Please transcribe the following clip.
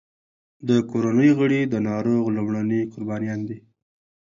د کورنۍ غړي د ناروغ لومړني قربانیان دي.